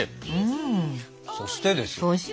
そしてですよ